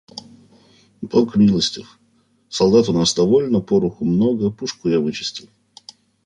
– Бог милостив: солдат у нас довольно, пороху много, пушку я вычистил.